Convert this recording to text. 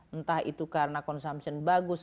entah itu karena consumption bagus